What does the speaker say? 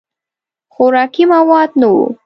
خوراکي مواد نه وو.